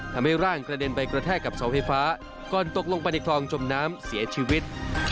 ทำให้ร่างกระเด็นไปกระแทกกับเสาไฟฟ้าก่อนตกลงไปในคลองจมน้ำเสียชีวิต